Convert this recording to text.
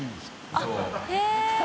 あっへぇ。